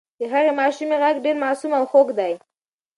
د هغې ماشومې غږ ډېر معصوم او خوږ و.